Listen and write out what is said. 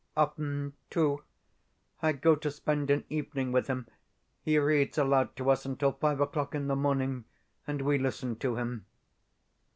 Often, too, I go to spend an evening with him. He reads aloud to us until five o'clock in the morning, and we listen to him.